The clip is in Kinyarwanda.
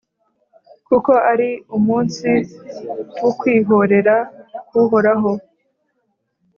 Kuko ari umunsi w’ukwihorera k’Uhoraho,